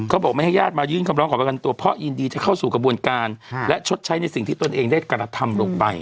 เขาบอกไม่ให้ญาติมายื่นคำร้องขอประกันตัวเพราะยินดีจะเข้าสู่กระบวนการและชดใช้ในสิ่งที่ตนเองได้กระทำลงไป